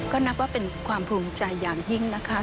ก็นับว่าเป็นความภูมิใจอย่างยิ่งนะคะ